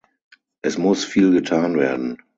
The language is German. Es muss viel getan werden.